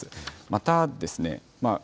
またですね